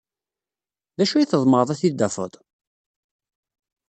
D acu ay tḍemɛed ad t-id-tafed?